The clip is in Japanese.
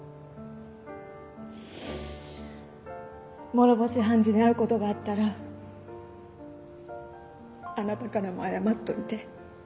諸星判事に会う事があったらあなたからも謝っておいて。